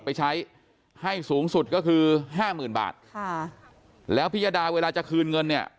ไปใช้ให้สูงสุดก็คือ๕๐๐๐๐บาทแล้วพี่ยดาเวลาจะคืนเงินเนี่ย